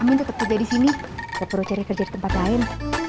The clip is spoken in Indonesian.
amin tetep kerja disini gak perlu cari kerja di tempat lain